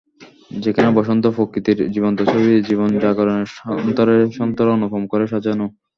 যেখানে বসন্ত প্রকৃতির জীবন্ত ছবি, জীবন জাগরণের সন্তরে সন্তরে অনুপম করে সাজানো।